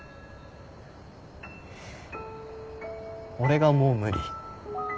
俺がもう無理。